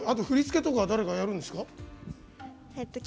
振り付けとかは誰かやるんですか？